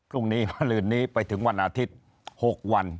รุ่นนี้มั่งโลวึนนี้ไปถึงวันอาทิตย์๖วัน